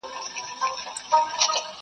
یو د بل په وینو پايي او پړسېږي،